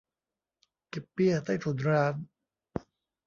เก็บเบี้ยใต้ถุนร้าน